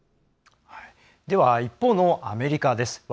では、一方のアメリカです。